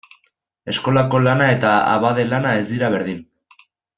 Eskolako lana eta abade lana ez dira berdin.